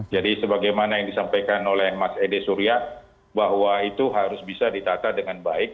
jadi sebagaimana yang disampaikan oleh mas ede surya bahwa itu harus bisa ditata dengan baik